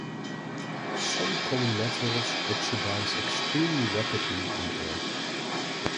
Some common metals oxidize extremely rapidly in air.